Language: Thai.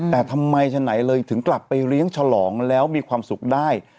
แต่ทำไมฉะไหนเลยถึงกลับไปเลี้ยงฉลองแล้วมีความสุขได้